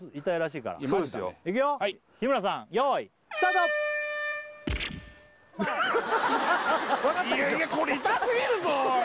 いやいやこれ痛すぎるぞおい